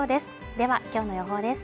では、今日の予報です。